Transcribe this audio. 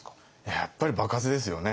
やっぱり場数ですよね。